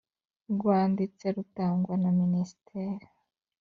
rwanditse rutangwa na minisiteri